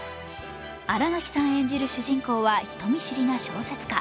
新垣さん演じる主人公は人見知りな小説家。